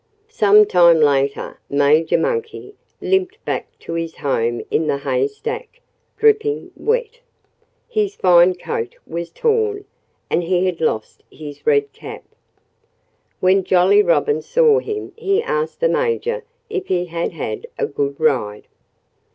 Some time later Major Monkey limped back to his home in the haystack, dripping wet. His fine coat was torn. And he had lost his red cap. When Jolly Robin saw him he asked the Major if he had had a good ride.